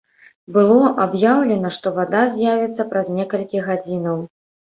Было аб'яўлена, што вада з'явіцца праз некалькі гадзінаў.